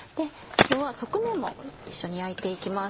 側面も一緒に焼いて行きます。